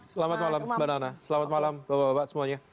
selamat malam mbak nana selamat malam bapak bapak semuanya